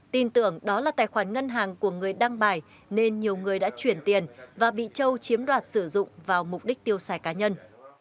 tin tưởng đó là tài khoản ngân hàng của người đăng bài nên nhiều người đã chuyển tiền và bị châu chiếm đoạt sử dụng vào mục đích tiêu xài cá nhân